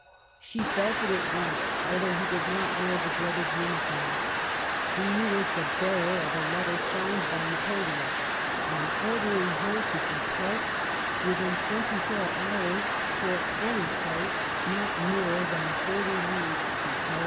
She felt it at once, although he did not wear the dreaded uniform. He was the bearer of a letter signed by Napoleon, and ordering her to depart within twenty four hours for any place not nearer than forty leagues to Paris.